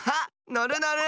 のるのる！